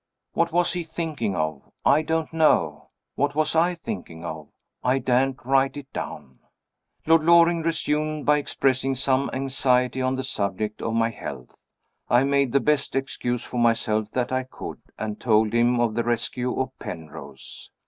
What was he thinking of? I don't know. What was I thinking of? I daren't write it down. Lord Loring resumed by expressing some anxiety on the subject of my health. I made the best excuse for myself that I could, and told him of the rescue of Penrose.